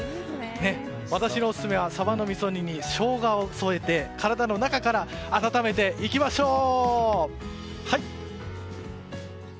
私のオススメはサバのみそ煮にショウガを添えて体の中から温めていきましょう！